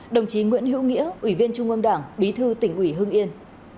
đồng chí nguyễn hữu nghĩa ủy viên trung ương đảng bí thư tỉnh ủy hương yên